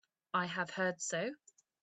I have heard so.